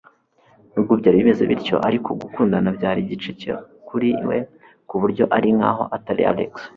Nubwo byari bimeze bityo ariko, gukundana byari igice cye kuri we ku buryo ari nkaho atari Alex.